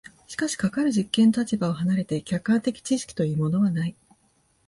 しかしかかる実験の立場を離れて客観的知識というものはない。